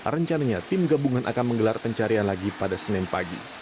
rencananya tim gabungan akan menggelar pencarian lagi pada senin pagi